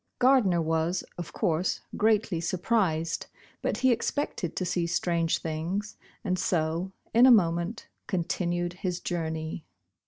Gardner was, of course, greatly surprised, but he expected to see strange things, and so, in a moment, continued his journey.